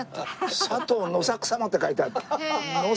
佐藤乃作様って書いてあった。